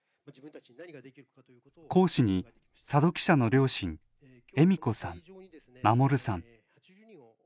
講師に佐戸記者の両親恵美子さん、守さん